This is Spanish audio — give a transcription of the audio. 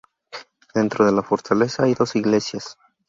Dentro de la fortaleza hay dos iglesias.